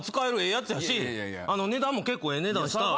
やつやし値段も結構ええ値段したええ